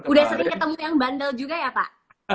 udah sering ketemu yang bandel juga ya pak